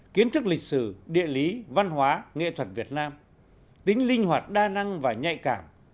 kiến thức lịch sử địa lý văn hóa nghệ thuật việt nam tính linh hoạt đa năng và nhạy cảm